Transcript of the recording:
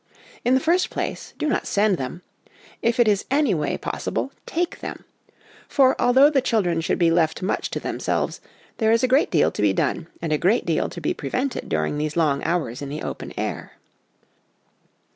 In the first place, do not send them ; if it is anyway possible, take them ; for, although the children should be left much to themselves, there is a great deal to be done and a great deal to be prevented during these long hours in the open air.